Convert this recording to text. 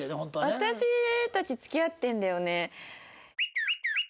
「私たち付き合ってるんだよね？」。